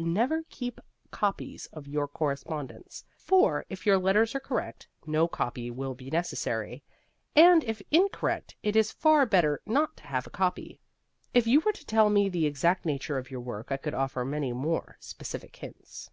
Never keep copies of your correspondence. For, if your letters are correct, no copy will be necessary. And, if incorrect, it is far better not to have a copy. If you were to tell me the exact nature of your work I could offer many more specific hints.